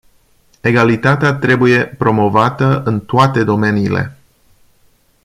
Egalitatea trebuie promovată în toate domeniile.